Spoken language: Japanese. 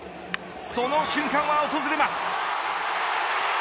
その瞬間は訪れます。